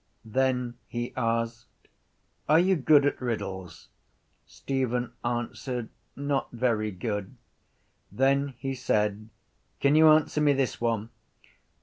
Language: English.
Then he asked: —Are you good at riddles? Stephen answered: —Not very good. Then he said: —Can you answer me this one?